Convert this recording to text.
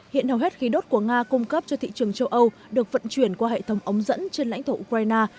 hiện hầu hết khí đốt của nga cung cấp cho thị trường châu âu được vận chuyển qua hệ thống ống dẫn trên lãnh thổ ukraine